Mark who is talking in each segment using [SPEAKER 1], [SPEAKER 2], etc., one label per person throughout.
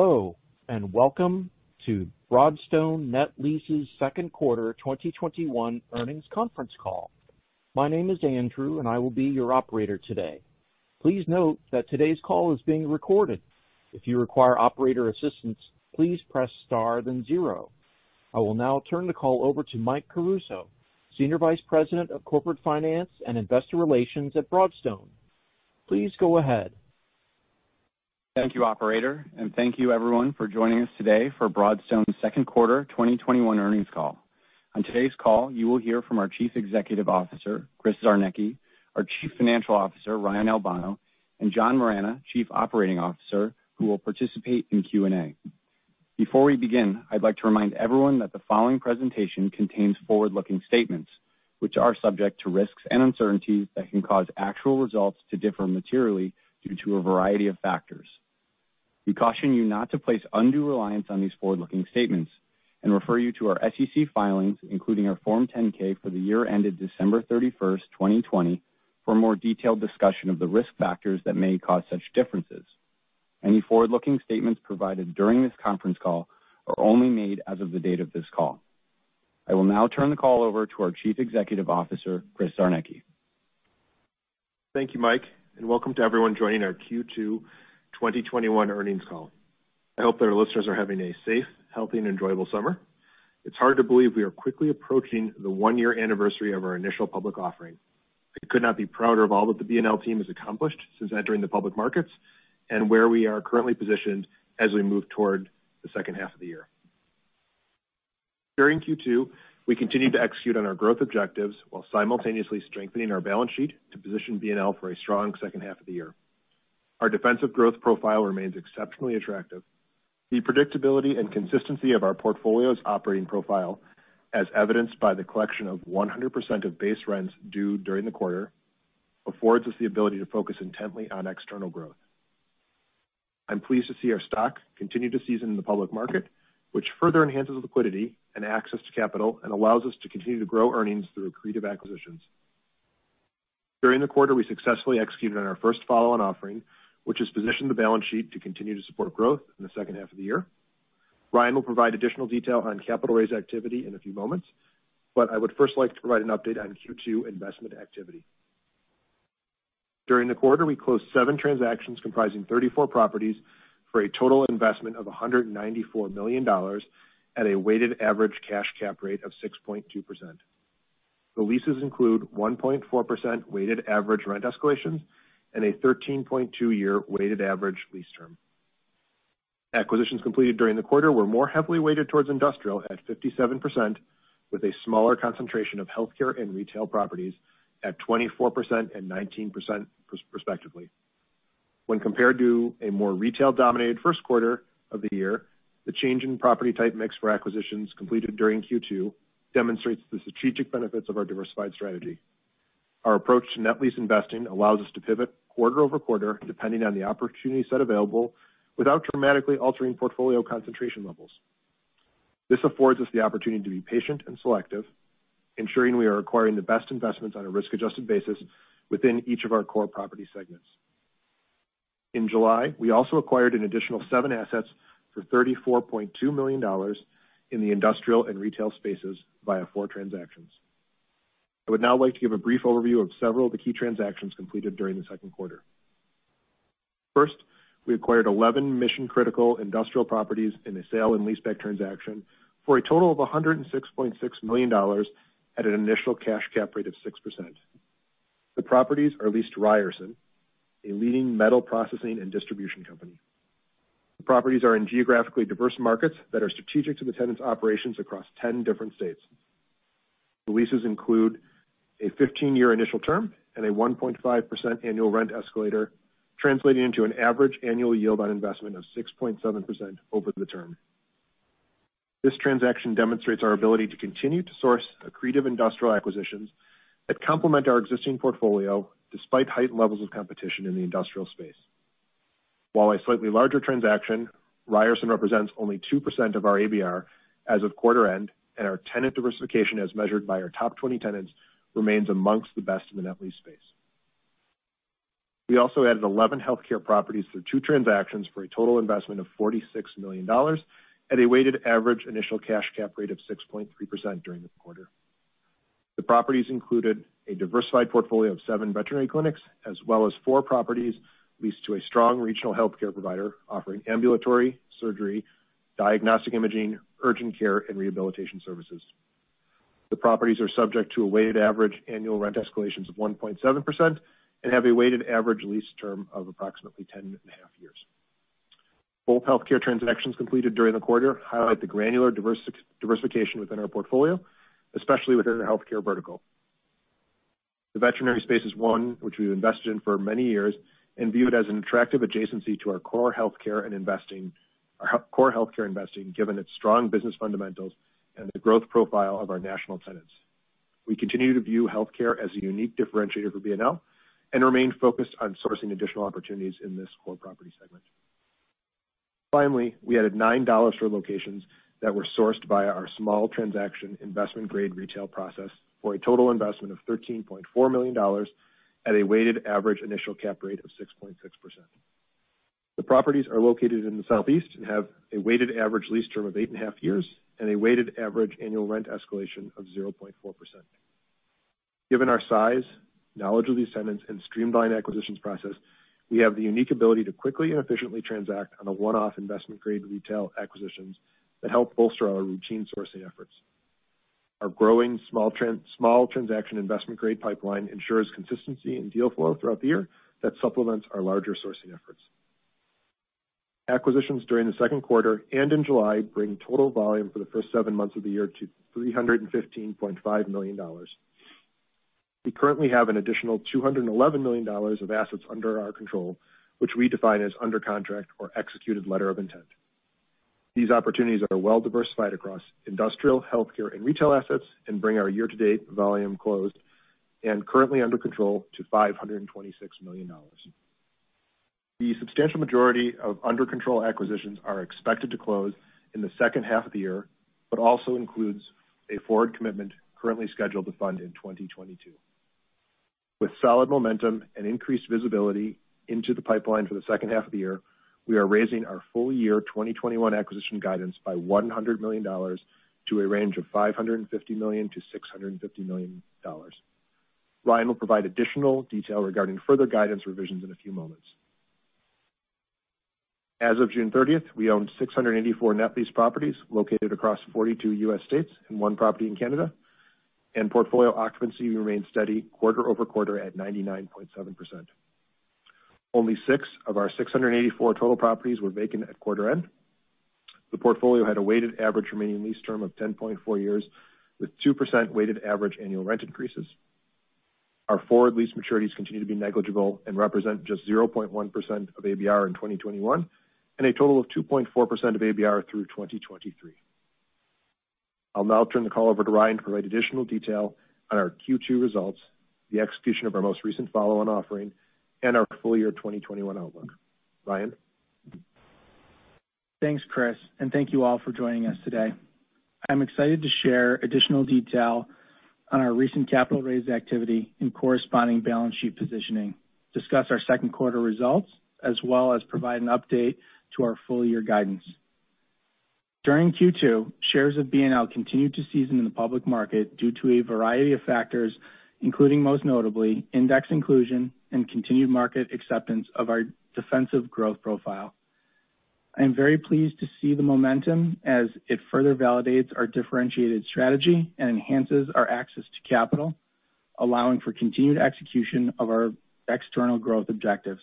[SPEAKER 1] Hello, and welcome to Broadstone Net Lease's second quarter 2021 earnings conference call. My name is Andrew, and I will be your operator today. Please note that today's call is being recorded. If you require operator assistance, please press star then zero. I will now turn the call over to Michael Caruso, Senior Vice President of Corporate Finance and Investor Relations at Broadstone. Please go ahead.
[SPEAKER 2] Thank you, operator, and thank you everyone for joining us today for Broadstone's second quarter 2021 earnings call. On today's call, you will hear from our Chief Executive Officer, Christopher Czarnecki, our Chief Financial Officer, Ryan Albano, and John Moragne, Chief Operating Officer, who will participate in Q&A. Before we begin, I'd like to remind everyone that the following presentation contains forward-looking statements, which are subject to risks and uncertainties that can cause actual results to differ materially due to a variety of factors. We caution you not to place undue reliance on these forward-looking statements and refer you to our SEC filings, including our Form 10-K for the year ended December 31st, 2020, for a more detailed discussion of the risk factors that may cause such differences. Any forward-looking statements provided during this conference call are only made as of the date of this call. I will now turn the call over to our Chief Executive Officer, Christopher Czarnecki.
[SPEAKER 3] Thank you, Mike, and welcome to everyone joining our Q2 2021 earnings call. I hope that our listeners are having a safe, healthy, and enjoyable summer. It's hard to believe we are quickly approaching the 1-year anniversary of our initial public offering. I could not be prouder of all that the BNL team has accomplished since entering the public markets and where we are currently positioned as we move toward the second half of the year. During Q2, we continued to execute on our growth objectives while simultaneously strengthening our balance sheet to position BNL for a strong second half of the year. Our defensive growth profile remains exceptionally attractive. The predictability and consistency of our portfolio's operating profile, as evidenced by the collection of 100% of base rents due during the quarter, affords us the ability to focus intently on external growth. I'm pleased to see our stock continue to season in the public market, which further enhances liquidity and access to capital and allows us to continue to grow earnings through accretive acquisitions. During the quarter, we successfully executed on our first follow-on offering, which has positioned the balance sheet to continue to support growth in the second half of the year. Ryan will provide additional detail on capital raise activity in a few moments, but I would first like to provide an update on Q2 investment activity. During the quarter, we closed seven transactions comprising 34 properties for a total investment of $194 million at a weighted average cash cap rate of 6.2%. The leases include 1.4% weighted average rent escalations and a 13.2 year weighted average lease term. Acquisitions completed during the quarter were more heavily weighted towards industrial at 57%, with a smaller concentration of healthcare and retail properties at 24% and 19%, respectively. When compared to a more retail-dominated first quarter of the year, the change in property type mix for acquisitions completed during Q2 demonstrates the strategic benefits of our diversified strategy. Our approach to net lease investing allows us to pivot quarter over quarter, depending on the opportunity set available, without dramatically altering portfolio concentration levels. This affords us the opportunity to be patient and selective, ensuring we are acquiring the best investments on a risk-adjusted basis within each of our core property segments. In July, we also acquired an additional seven assets for $34.2 million in the industrial and retail spaces via four transactions. I would now like to give a brief overview of several of the key transactions completed during the second quarter. First, we acquired 11 mission-critical industrial properties in a sale leaseback transaction for a total of $106.6 million at an initial cash cap rate of 6%. The properties are leased to Ryerson, a leading metal processing and distribution company. The properties are in geographically diverse markets that are strategic to the tenant's operations across 10 different states. The leases include a 15-year initial term and a 1.5% annual rent escalator, translating into an average annual yield on investment of 6.7% over the term. This transaction demonstrates our ability to continue to source accretive industrial acquisitions that complement our existing portfolio despite heightened levels of competition in the industrial space. While a slightly larger transaction, Ryerson represents only 2% of our ABR as of quarter end, and our tenant diversification as measured by our top 20 tenants remains amongst the best in the net lease space. We also added 11 healthcare properties through two transactions for a total investment of $46 million at a weighted average initial cash cap rate of 6.3% during the quarter. The properties included a diversified portfolio of seven veterinary clinics as well as four properties leased to a strong regional healthcare provider offering ambulatory surgery, diagnostic imaging, urgent care, and rehabilitation services. The properties are subject to a weighted average annual rent escalations of 1.7% and have a weighted average lease term of approximately 10.5 years. Both healthcare transactions completed during the quarter highlight the granular diversification within our portfolio, especially within the healthcare vertical. The veterinary space is one which we've invested in for many years and view it as an attractive adjacency to our core healthcare investing, given its strong business fundamentals and the growth profile of our national tenants. We continue to view healthcare as a unique differentiator for BNL and remain focused on sourcing additional opportunities in this core property segment. We added $9 store locations that were sourced via our small transaction investment-grade retail process for a total investment of $13.4 million at a weighted average initial cap rate of 6.6%. The properties are located in the Southeast and have a weighted average lease term of 8.5 years and a weighted average annual rent escalation of 0.4%. Given our size, knowledge of the assets and streamlined acquisitions process, we have the unique ability to quickly and efficiently transact on a one-off investment grade retail acquisitions that help bolster our routine sourcing efforts. Our growing small transaction investment grade pipeline ensures consistency in deal flow throughout the year that supplements our larger sourcing efforts. Acquisitions during the second quarter and in July bring total volume for the first seven months of the year to $315.5 million. We currently have an additional $211 million of assets under our control, which we define as under contract or executed letter of intent. These opportunities are well diversified across industrial, healthcare, and retail assets, and bring our year-to-date volume closed and currently under control to $526 million. The substantial majority of under control acquisitions are expected to close in the second half of the year, but also includes a forward commitment currently scheduled to fund in 2022. With solid momentum and increased visibility into the pipeline for the second half of the year, we are raising our full year 2021 acquisition guidance by $100 million to a range of $550 million-$650 million. Ryan will provide additional detail regarding further guidance revisions in a few moments. As of June 30th, we owned 684 net lease properties located across 42 U.S. states and one property in Canada, and portfolio occupancy remains steady quarter-over-quarter at 99.7%. Only 6 of our 684 total properties were vacant at quarter end. The portfolio had a weighted average remaining lease term of 10.4 years, with 2% weighted average annual rent increases. Our forward lease maturities continue to be negligible and represent just 0.1% of ABR in 2021, and a total of 2.4% of ABR through 2023. I'll now turn the call over to Ryan to provide additional detail on our Q2 results, the execution of our most recent follow-on offering, and our full year 2021 outlook. Ryan.
[SPEAKER 4] Thanks, Chris, and thank you all for joining us today. I'm excited to share additional detail on our recent capital raise activity and corresponding balance sheet positioning, discuss our second quarter results, as well as provide an update to our full year guidance. During Q2, shares of BNL continued to season in the public market due to a variety of factors, including most notably, index inclusion and continued market acceptance of our defensive growth profile. I am very pleased to see the momentum as it further validates our differentiated strategy and enhances our access to capital, allowing for continued execution of our external growth objectives.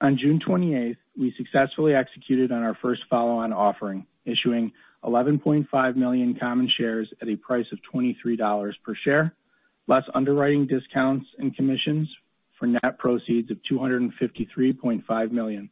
[SPEAKER 4] On June 28th, we successfully executed on our first follow-on offering, issuing 11.5 million common shares at a price of $23 per share, less underwriting discounts and commissions for net proceeds of $253.5 million.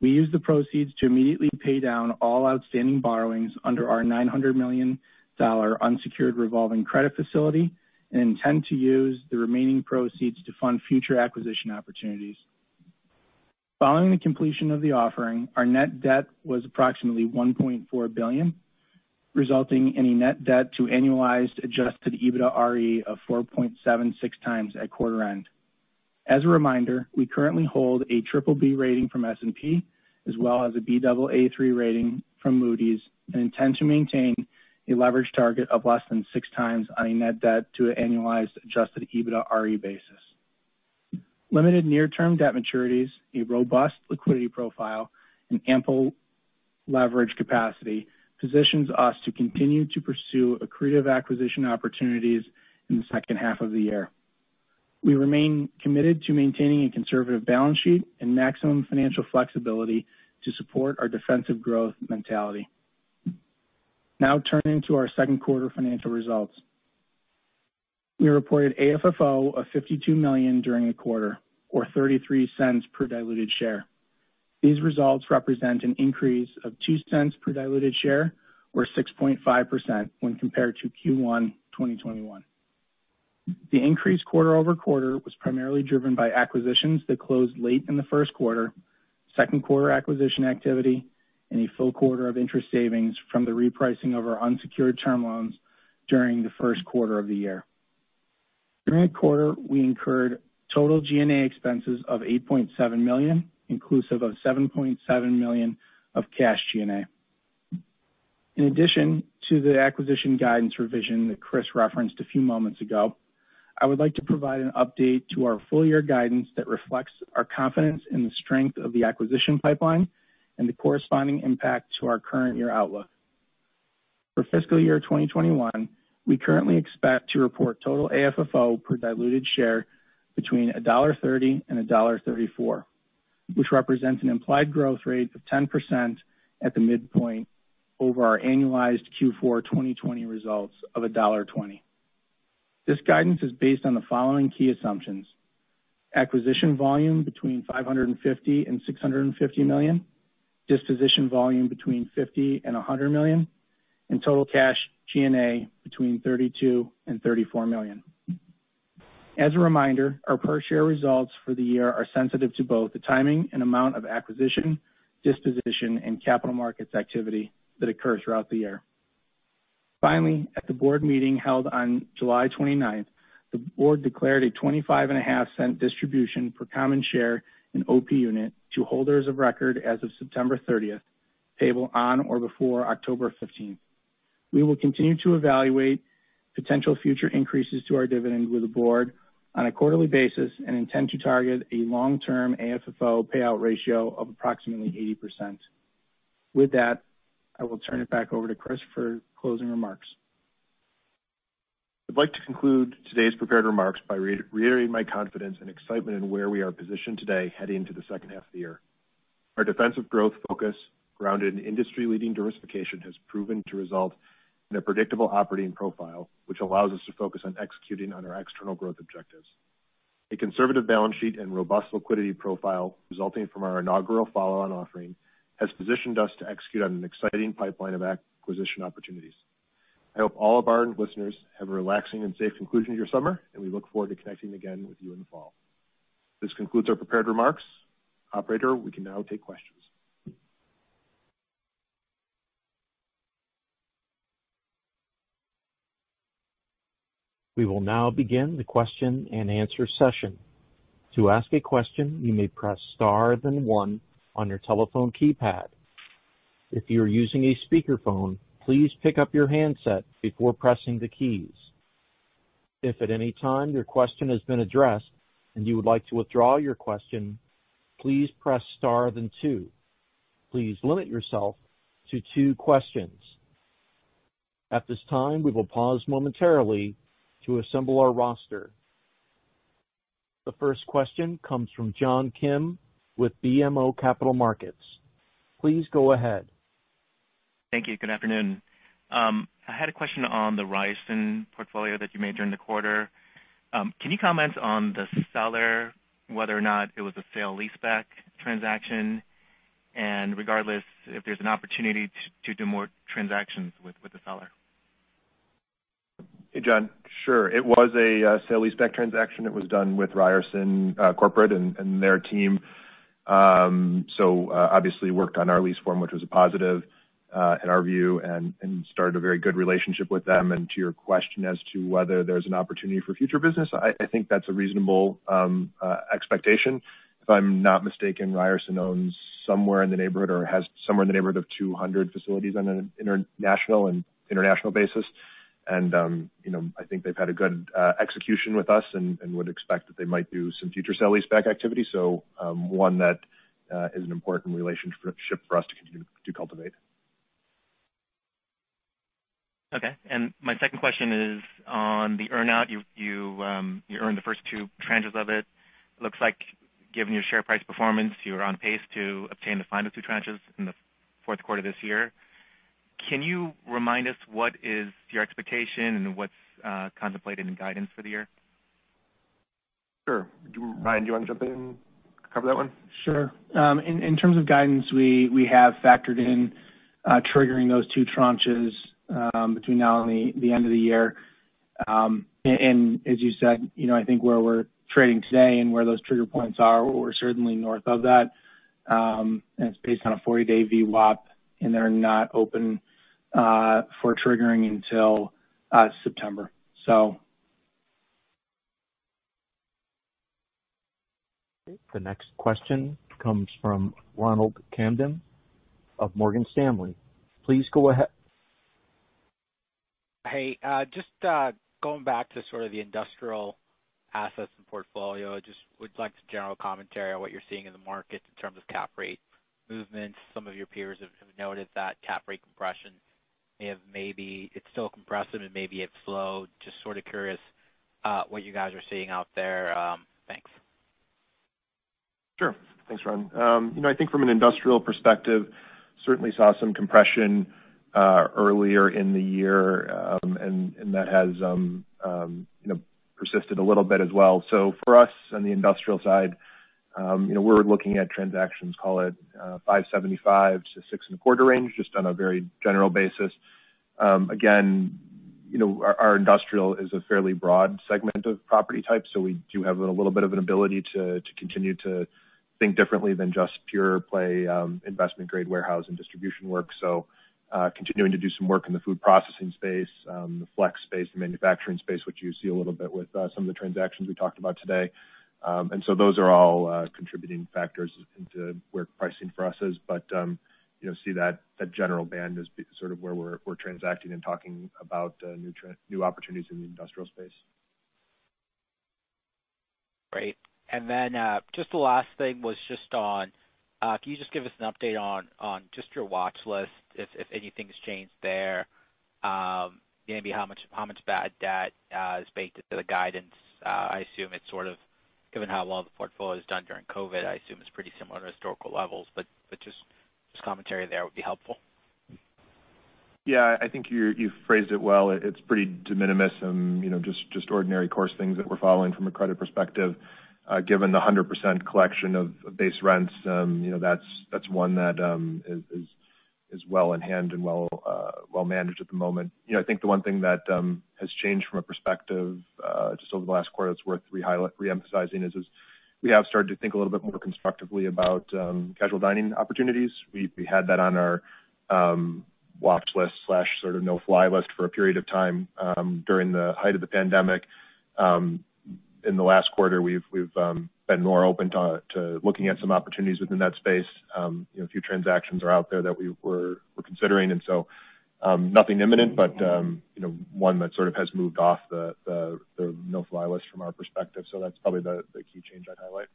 [SPEAKER 4] We used the proceeds to immediately pay down all outstanding borrowings under our $900 million unsecured revolving credit facility and intend to use the remaining proceeds to fund future acquisition opportunities. Following the completion of the offering, our net debt was approximately $1.4 billion, resulting in a net debt to annualized adjusted EBITDARE of 4.76 times at quarter end. As a reminder, we currently hold a BBB rating from S&P, as well as a Baa3 rating from Moody's, and intend to maintain a leverage target of less than 6 times on a net debt to an annualized adjusted EBITDARE basis. Limited near term debt maturities, a robust liquidity profile, and ample leverage capacity positions us to continue to pursue accretive acquisition opportunities in the second half of the year. We remain committed to maintaining a conservative balance sheet and maximum financial flexibility to support our defensive growth mentality. Now turning to our second quarter financial results. We reported AFFO of $52 million during the quarter, or $0.33 per diluted share. These results represent an increase of $0.02 per diluted share, or 6.5% when compared to Q1 2021. The increase quarter-over-quarter was primarily driven by acquisitions that closed late in the first quarter, second quarter acquisition activity, and a full quarter of interest savings from the repricing of our unsecured term loans during the first quarter of the year. During the quarter, we incurred total G&A expenses of $8.7 million, inclusive of $7.7 million of cash G&A. In addition to the acquisition guidance revision that Chris referenced a few moments ago, I would like to provide an update to our full year guidance that reflects our confidence in the strength of the acquisition pipeline and the corresponding impact to our current year outlook. For fiscal year 2021, we currently expect to report total AFFO per diluted share between $1.30 and $1.34, which represents an implied growth rate of 10% at the midpoint over our annualized Q4 2020 results of $1.20. This guidance is based on the following key assumptions. Acquisition volume between $550 million and $650 million, disposition volume between $50 million and $100 million, and total cash G&A between $32 million and $34 million. As a reminder, our per share results for the year are sensitive to both the timing and amount of acquisition, disposition, and capital markets activity that occurs throughout the year. Finally, at the board meeting held on July 29th, the board declared a $0.255 distribution per common share and OP unit to holders of record as of September 30th, payable on or before October 15th. We will continue to evaluate potential future increases to our dividend with the board on a quarterly basis and intend to target a long-term AFFO payout ratio of approximately 80%. With that, I will turn it back over to Chris for closing remarks.
[SPEAKER 3] I'd like to conclude today's prepared remarks by reiterating my confidence and excitement in where we are positioned today heading into the second half of the year. Our defensive growth focus, grounded in industry-leading diversification, has proven to result in a predictable operating profile, which allows us to focus on executing on our external growth objectives. A conservative balance sheet and robust liquidity profile resulting from our inaugural follow-on offering has positioned us to execute on an exciting pipeline of acquisition opportunities. I hope all of our listeners have a relaxing and safe conclusion to your summer, and we look forward to connecting again with you in the fall. This concludes our prepared remarks. Operator, we can now take questions.
[SPEAKER 1] We will now begin the question and answer session. To ask a question, you may press star then one on your telephone keypad. If you are using a speakerphone, please pick up your handset before pressing the keys. If at any time your question has been addressed and you would like to withdraw your question, please press star then two. Please limit yourself to two questions. At this time, we will pause momentarily to assemble our roster. The first question comes from John Kim with BMO Capital Markets. Please go ahead.
[SPEAKER 5] Thank you. Good afternoon. I had a question on the Ryerson portfolio that you made during the quarter. Can you comment on the seller, whether or not it was a sale leaseback transaction? Regardless, if there's an opportunity to do more transactions with the seller?
[SPEAKER 3] Hey, John. Sure. It was a sale leaseback transaction. It was done with Ryerson Corporate and their team. Obviously worked on our lease form, which was a positive in our view and started a very good relationship with them. To your question as to whether there's an opportunity for future business, I think that's a reasonable expectation. If I'm not mistaken, Ryerson owns somewhere in the neighborhood or has somewhere in the neighborhood of 200 facilities on a national and international basis. I think they've had a good execution with us and would expect that they might do some future sale leaseback activity. One that is an important relationship for us to continue to cultivate.
[SPEAKER 5] Okay. My second question is on the earn-out. You earned the first two tranches of it. Looks like given your share price performance, you're on pace to obtain the final 2 tranches in the 4th quarter of this year. Can you remind us what is your expectation and what's contemplated in guidance for the year?
[SPEAKER 3] Sure. Ryan, do you want to jump in and cover that one?
[SPEAKER 4] Sure. In terms of guidance, we have factored in triggering those two tranches between now and the end of the year. As you said, I think where we're trading today and where those trigger points are, we're certainly north of that. It's based on a 40-day VWAP, and they're not open for triggering until September.
[SPEAKER 1] The next question comes from Ronald Kamdem of Morgan Stanley. Please go ahead.
[SPEAKER 6] Hey, just going back to sort of the industrial assets and portfolio, I just would like some general commentary on what you're seeing in the market in terms of cap rate movements. Some of your peers have noted that cap rate compression maybe it's still compressive and maybe it slowed. Just sort of curious what you guys are seeing out there. Thanks.
[SPEAKER 3] Sure. Thanks, Ron. I think from an industrial perspective, certainly saw some compression earlier in the year, and that has persisted a little bit as well. For us on the industrial side, we're looking at transactions, call it 5.75% to 6.25% range, just on a very general basis. Again, our industrial is a fairly broad segment of property type, so we do have a little bit of an ability to continue to think differently than just pure play investment-grade warehouse and distribution work. Continuing to do some work in the food processing space, the flex space, the manufacturing space, which you see a little bit with some of the transactions we talked about today. Those are all contributing factors into where pricing for us is. See that general band as sort of where we're transacting and talking about new opportunities in the industrial space.
[SPEAKER 6] Great. Just the last thing was, can you just give us an update on just your watch list, if anything's changed there? Maybe how much bad debt is baked into the guidance? I assume it's sort of given how well the portfolio has done during COVID, I assume it's pretty similar to historical levels, but just commentary there would be helpful.
[SPEAKER 3] Yeah, I think you phrased it well. It's pretty de minimis and just ordinary course things that we're following from a credit perspective. Given the 100% collection of base rents, that's one that is well in hand and well managed at the moment. I think the one thing that has changed from a perspective just over the last quarter that's worth re-emphasizing is we have started to think a little bit more constructively about casual dining opportunities. We had that on our watch list/sort of no-fly list for a period of time during the height of the pandemic. In the last quarter, we've been more open to looking at some opportunities within that space. A few transactions are out there that we're considering. Nothing imminent, but one that sort of has moved off the no-fly list from our perspective. That's probably the key change I'd highlight.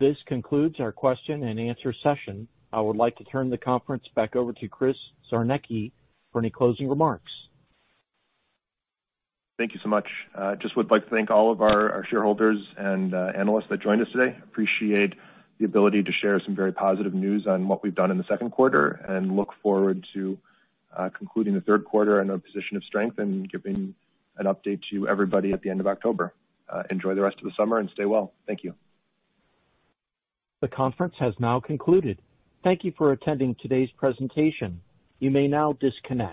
[SPEAKER 1] This concludes our question and answer session. I would like to turn the conference back over to Christopher Czarnecki for any closing remarks.
[SPEAKER 3] Thank you so much. Just would like to thank all of our shareholders and analysts that joined us today. Appreciate the ability to share some very positive news on what we've done in the second quarter and look forward to concluding the third quarter in a position of strength and giving an update to everybody at the end of October. Enjoy the rest of the summer and stay well. Thank you.
[SPEAKER 1] The conference has now concluded. Thank you for attending today's presentation. You may now disconnect.